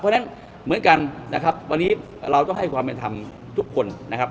เพราะฉะนั้นเหมือนกันนะครับวันนี้เราต้องให้ความเป็นธรรมทุกคนนะครับ